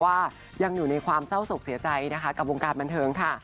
ว่ายังอยู่ในความเศร้าศกเสียใจนะคะกับวงการบันเทิงค่ะ